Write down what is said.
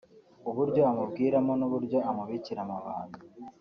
uburyo amubwiramo n’uburyo amubikira amabanga